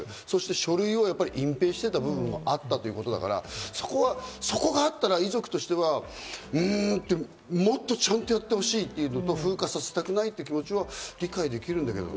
書類を隠蔽していた部分もあったということだから、そこがあったら遺族としてはうんって、もっとちゃんとやってほしいって風化させたくないって気持ちは理解できるんだけどね。